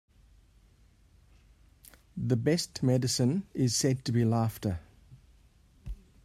The best medicine is said to be laughter.